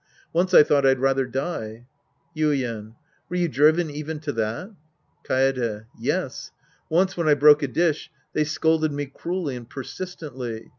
Once I thought I'd rather die. Yuien. Were you driven even to that ? Kaede. Yes. Once when I broke a dish, they scolded me cruelly and persistently.